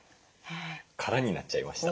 空になっちゃいました。